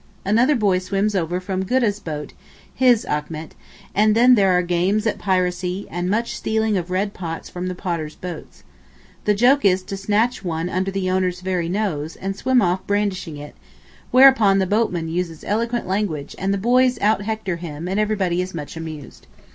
Another boy swims over from Goodah's boat (his Achmet), and then there are games at piracy, and much stealing of red pots from the potter's boats. The joke is to snatch one under the owner's very nose, and swim off brandishing it, whereupon the boatman uses eloquent language, and the boys out hector him, and everybody is much amused.